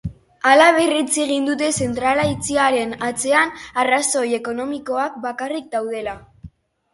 Hala, berretsi egin dute zentrala itxieran atzean arrazoi ekonomikoak bakarrik daudela.